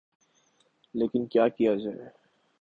لیکن کیا کیا جائے۔